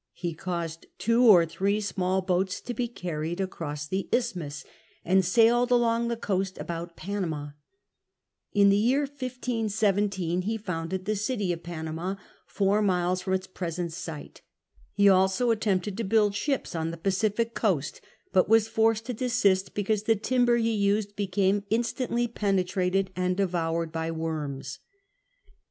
He caused two or three small boats to bo carried across the isthmus, CHAP. IV ITS FIRST SAILORS 45 and sailed along the coast about Panama. In the year 1517 he fouinlcd the city of Panama, four miles from its present site. >Ie also attempted to build ships on the Pacific coast, but was forced to desist, because the timber he used became instantly penetrated and devoured by worms.